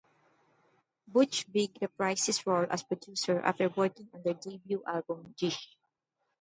Butch Vig reprised his role as producer after working on their debut album "Gish".